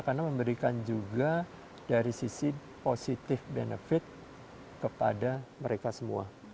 karena memberikan juga dari sisi positive benefit kepada mereka semua